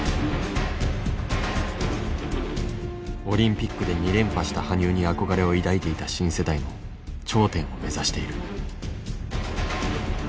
オリンピックで２連覇した羽生に憧れを抱いていた新世代も頂点を目指している。